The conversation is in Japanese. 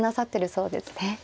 そうですね。